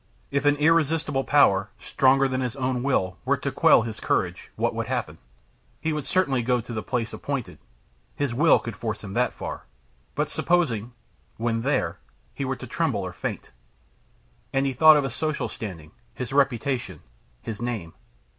If an irresistible power, stronger than his own will, were to quell his courage, what would happen? He would certainly go to the place appointed; his will would force him that far. But supposing, when there, he were to tremble or faint? And he thought of his social standing, his reputation, his name.